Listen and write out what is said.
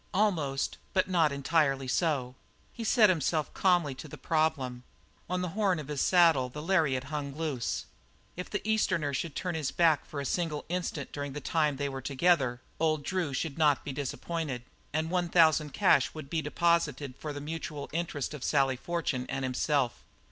Almost, but not entirely so. He set himself calmly to the problem; on the horn of his saddle the lariat hung loose; if the Easterner should turn his back for a single instant during all the time they were together old Drew should not be disappointed, and one thousand cash would be deposited for the mutual interest of Sally Fortune and himself.